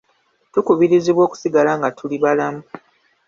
Tukubirizibwa okusigala nga tuli balamu.